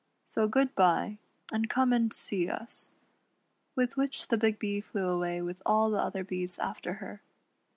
So good bye, and come and see us," With which the Big Bee flew away with all the other bees after her.